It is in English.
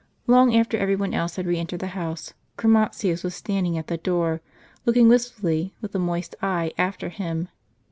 Long after every one else had re entered the house, Chromatius was standing at the door, looking wistfully, with a moist eye, after him.